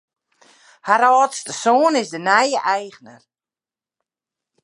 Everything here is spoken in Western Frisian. Har âldste soan is de nije eigner.